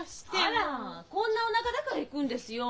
あらこんなおなかだから行くんですよ。